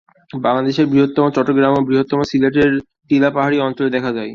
বাংলাদেশের বৃহত্তর চট্টগ্রাম ও বৃহত্তর সিলেটের টিলা পাহাড়ি অঞ্চলে দেখা যায়।